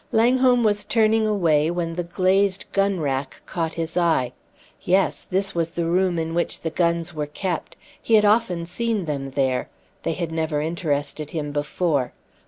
Langholm was turning away when the glazed gun rack caught his eye. Yes, this was the room in which the guns were kept. He had often seen them there. They had never interested him before.